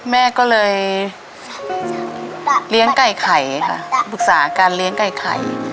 แม่ก็เลยเลี้ยงไก่ไข่ค่ะปรึกษาการเลี้ยงไก่ไข่